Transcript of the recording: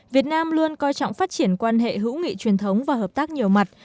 việt nam luôn coi trọng phát triển quan hệ hữu nghị truyền thống và hợp tác nhiều mặt